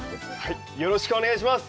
よろしくお願いします。